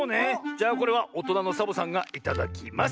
じゃあこれはおとなのサボさんがいただきます。